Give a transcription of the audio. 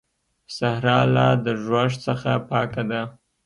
صحرا لا د ږوږ څخه پاکه ده.